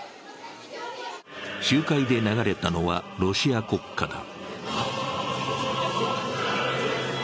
集会で流れたのはロシア国歌だ。